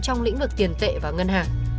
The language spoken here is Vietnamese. trong lĩnh vực tiền tệ và ngân hàng